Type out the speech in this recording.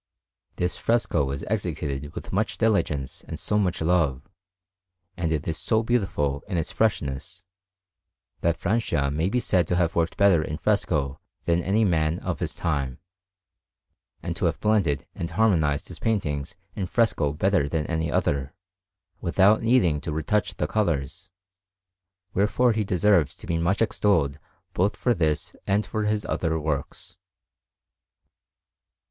This fresco is executed with such diligence and so much love, and it is so beautiful in its freshness, that Francia may be said to have worked better in fresco than any man of his time, and to have blended and harmonized his paintings in fresco better than any other, without needing to retouch the colours; wherefore he deserves to be much extolled both for this and for his other works.